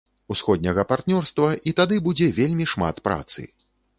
Усходняга партнёрства, і тады будзе вельмі шмат працы.